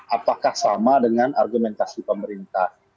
apakah sama dengan argumentasi pemerintah